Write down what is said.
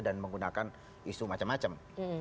dan menggunakan isu macam macam